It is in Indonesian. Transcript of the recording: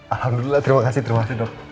alhamdulillah terima kasih dok